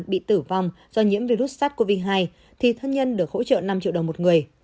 bị tử vong do nhiễm virus sars cov hai thì thân nhân được hỗ trợ năm triệu đồng một người